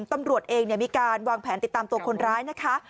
ตำรวจเองมีการวางแผนติดตามตัวคนร้ายนะคะ